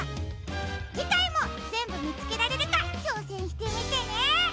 じかいもぜんぶみつけられるかちょうせんしてみてね！